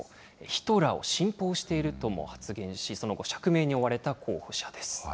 ヒトラーを信奉しているとも発言し、その後、釈明に追われた候補者です。